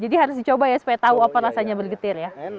jadi harus dicoba ya supaya tahu apa rasanya bergetir ya